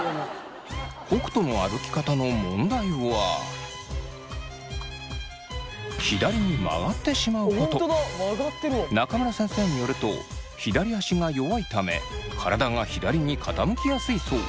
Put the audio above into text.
北斗の歩き方の問題は中村先生によると左足が弱いため体が左に傾きやすいそう。